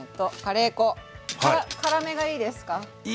辛めがいいですか？